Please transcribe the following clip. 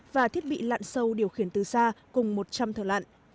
và thiết bị lặn sâu điều khiển từ xa cùng một trăm linh thợ lặn